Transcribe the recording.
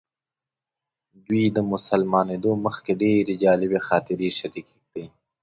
دوی د مسلمانېدو مخکې ډېرې جالبې خاطرې شریکې کړې.